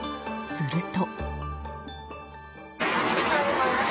すると。